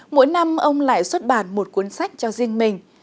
mỗi năm ông lại xuất bản một cuốn sách cho riêng mình